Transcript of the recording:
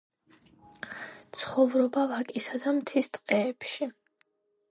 ცხოვრობა ვაკისა და მთის ტყეებში.